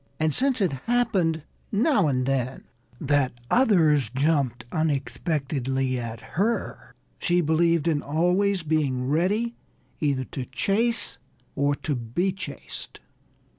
And since it happened, now and then, that others jumped unexpectedly at her, she believed in always being ready either to chase or to be chased.